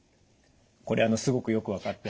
これすごくよく分かって。